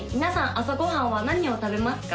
朝ご飯は何を食べますか？